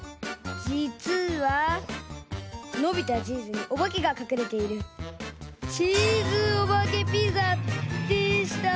じつはのびたチーズにおばけがかくれている「チーズおばけピザ」でした。